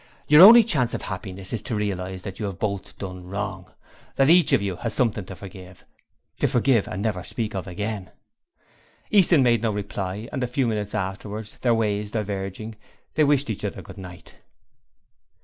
Your only chance of happiness is to realize that you have both done wrong; that each of you has something to forgive; to forgive and never speak of it again.' Easton made no reply and a few minutes afterwards, their ways diverging, they wished each other 'Good night'.